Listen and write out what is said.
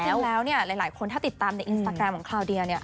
แล้วเนี่ยหลายคนถ้าติดตามในอินสตาแกรมของคราวเดียเนี่ย